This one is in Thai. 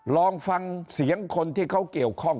ลองฟังเสียงคนที่เขาเกี่ยวข้อง